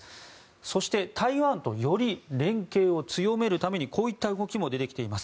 そして、台湾とより連携を強めるためにこういった動きも出てきています。